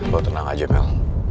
lo tenang aja mel